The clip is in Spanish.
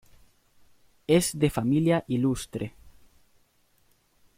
Es de familia ilustre.